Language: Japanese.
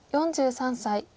４３歳。